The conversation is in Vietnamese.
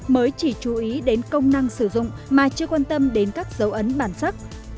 mới chỉ chú ý đến công năng sử dụng mà chưa quan tâm đến các dấu ấn bản sắc